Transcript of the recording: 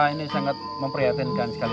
ini sangat memprihatinkan sekali